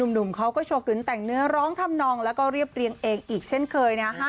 หนุ่มเขาก็โชว์กึนแต่งเนื้อร้องทำนองแล้วก็เรียบเรียงเองอีกเช่นเคยนะฮะ